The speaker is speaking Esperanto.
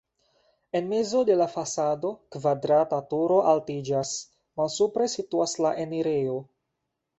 En mezo de la fasado kvadrata turo altiĝas, malsupre situas la enirejo.